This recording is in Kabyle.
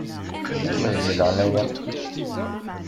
Kemmel di leɛnaya-m!